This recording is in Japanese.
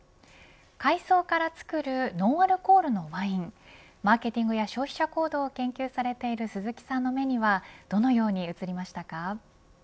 海藻からつくるノンアルコールのワインマーケティングや消費者行動を研究されている鈴木さんの目にはどのように映りましたか。